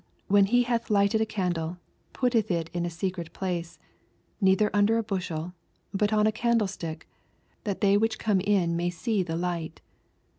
en he hath lighted a caudle, putteth it in a secret place, neither ondar a bushel, but on a can dlestick, that they which come in may see the light.